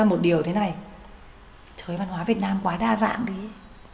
và một điều thế này trời ơi văn hóa việt nam quá đa dạng đấy